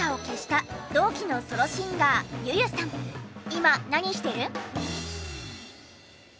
今何してる？